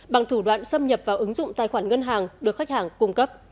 bằng thủ đoạn xâm nhập vào ứng dụng tài khoản ngân hàng được khách hàng cung cấp